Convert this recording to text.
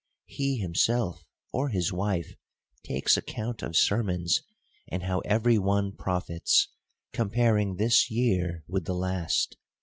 — He himself, or his wife, takes account of ser mons, and how every one profits, comparing this year with the last.